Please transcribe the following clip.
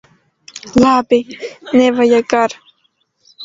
Labi! Nevajag ar'.